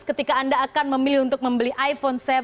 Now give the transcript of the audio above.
ketika anda akan memilih untuk membeli iphone tujuh